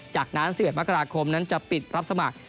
จากนั้น๑๑มกราคมนั้นจะปิดรับสมัคร